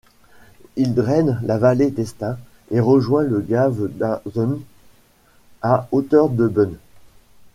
Il draine la vallée d'Estaing et rejoint le gave d'Azun à hauteur de Bun.